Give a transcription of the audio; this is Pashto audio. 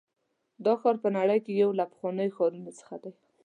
دا ښار په نړۍ کې یو له پخوانیو ښارونو څخه دی.